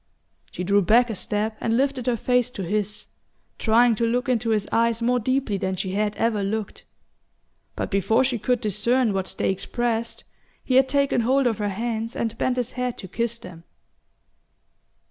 She drew back a step and lifted her face to his, trying to look into his eyes more deeply than she had ever looked; but before she could discern what they expressed he had taken hold of her hands and bent his head to kiss them.